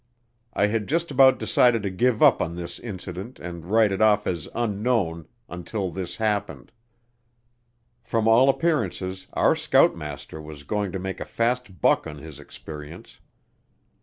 I had just about decided to give up on this incident and write it off as "Unknown" until this happened. From all appearances, our scoutmaster was going to make a fast buck on his experience.